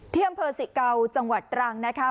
ที่อำเภอสิเกาจังหวัดตรังนะคะ